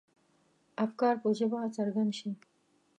افکار په ژبه څرګند شي.